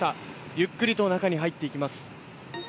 ゆっくりと中に入っていきます。